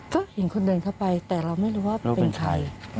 ก็เห็นคนเดินเข้าไปแต่เราไม่รู้ว่าเป็นใคร